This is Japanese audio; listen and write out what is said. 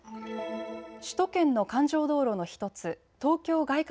首都圏の環状道路の１つ、東京外